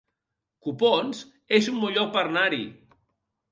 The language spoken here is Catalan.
Copons es un bon lloc per anar-hi